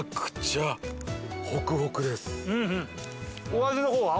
お味の方は？